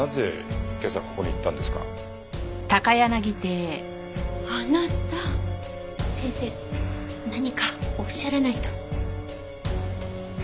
先生何かおっしゃらないと。